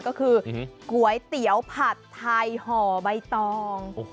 ก็คือก๋วยเตี๋ยวผัดไทยห่อใบตอง